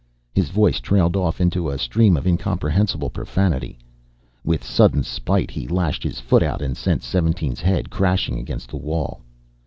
His voice trailed off into a stream of incomprehensible profanity. With sudden spite he lashed his foot out and sent 17's head crashing against the wall.